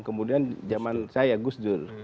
kemudian zaman saya gus dur